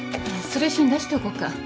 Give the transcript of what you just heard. それ一緒に出しておこうか？